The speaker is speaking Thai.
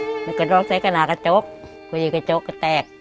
เมื่อเมื่อ